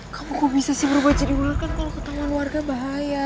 kamu kok bisa sih berubah jadi bola kan kalau ketemuan warga bahaya